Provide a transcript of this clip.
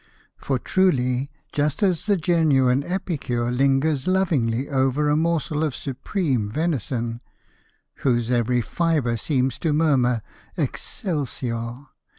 For truly, just as the genuine Epicure lingers lovingly over a morsel of supreme Venison whose every fibre seems to murmur "Excelsior!"